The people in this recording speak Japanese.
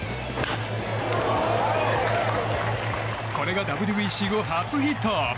これがＷＢＣ後初ヒット。